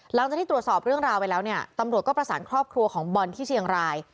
หลังจากที่ตรวจสอบเรื่องราวไปแล้วเนี่ยตำรวจก็ประสานครอบครัวของบอลที่เชียงราย